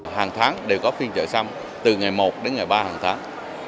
hàng tháng đều có phiên chợ sâm từ ngày một đến ngày ba hàng tháng